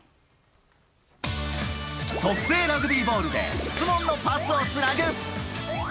特製ラグビーボールで質問のパスをつなぐ。